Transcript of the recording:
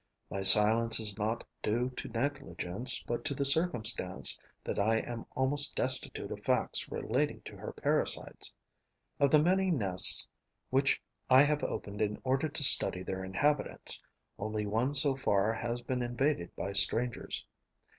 My silence is not due to negligence, but to the circumstance that I am almost destitute of facts relating to her parasites. Of the many nests which I have opened in order to study their inhabitants, only one so far has been invaded by strangers.